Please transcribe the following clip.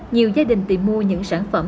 nhiều gia đình tìm mua những sản phẩm